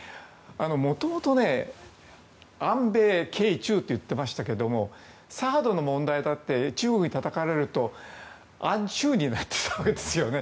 もともと、安米経中といっていましたけどＴＨＡＡＤの問題だって中国にたたかれると安中になってたわけですよね。